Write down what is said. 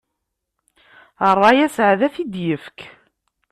Ṛṛay asaεdi ad t-id-ifk.